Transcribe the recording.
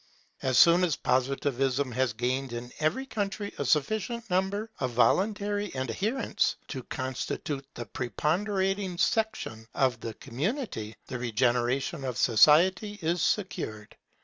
As soon as Positivism has gained in every country a sufficient number of voluntary adherents to constitute the preponderating section of the community, the regeneration of society is secured.